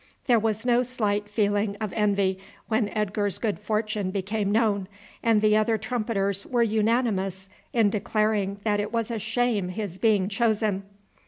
There was no slight feeling of envy when Edgar's good fortune became known, and the other trumpeters were unanimous in declaring that it was a shame his being chosen.